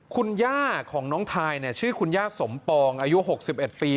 คุณย่าของน้องทายเนี้ยชื่อคุณย่าสมปองอายุหกสิบเอ็ดปี